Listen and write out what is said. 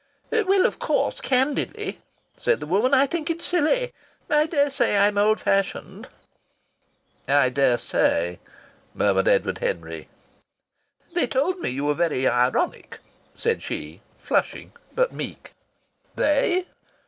"Well, of course candidly," said the woman, "I think it's silly. I daresay I'm old fashioned." ... "I daresay," murmured Edward Henry. "They told me you were very ironic," said she, flushing but meek. "They!"